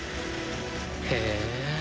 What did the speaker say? へえ。